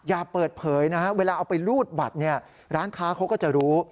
อย่าเปิดเผยนะฮะเวลาเอาไปรูดบัตรเนี่ยร้านค้าเขาก็จะรู้